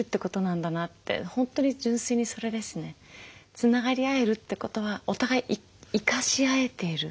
つながり合えるってことはお互い生かし合えている。